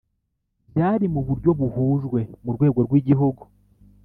Byari mu buryo buhujwe mu rwego rw’igihugu